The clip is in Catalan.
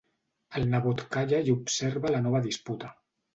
El nebot calla i observa la nova disputa.